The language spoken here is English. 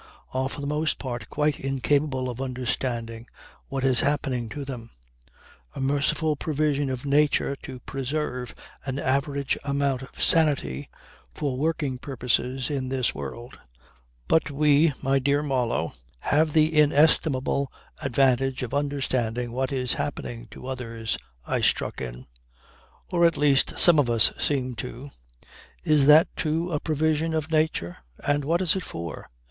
are for the most part quite incapable of understanding what is happening to them: a merciful provision of nature to preserve an average amount of sanity for working purposes in this world ..." "But we, my dear Marlow, have the inestimable advantage of understanding what is happening to others," I struck in. "Or at least some of us seem to. Is that too a provision of nature? And what is it for?